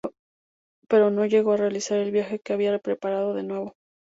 Pero no llegó a realizar el viaje que había preparado de nuevo.